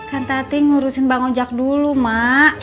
kan tati ngurusin bang ojak dulu mak